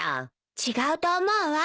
違うと思うわ。